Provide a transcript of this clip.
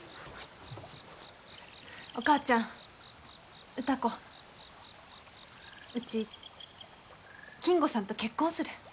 お母ちゃん歌子うち金吾さんと結婚する。